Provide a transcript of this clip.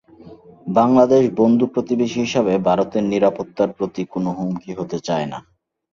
বাংলাদেশ বন্ধু প্রতিবেশী হিসেবে ভারতের নিরাপত্তার প্রতি কোনো হুমকি হতে চায় না।